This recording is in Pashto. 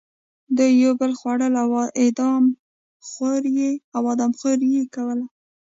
دوی یو بل خوړل او آدم خوري یې کوله.